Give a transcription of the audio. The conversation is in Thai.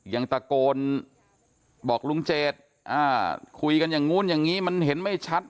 ยังตะโกนบอกลุงเจดคุยกันอย่างนู้นอย่างนี้มันเห็นไม่ชัด